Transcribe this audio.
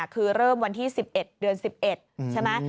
คือเริ่มวันที่๑๑เดือน๑๑ใช่ไหม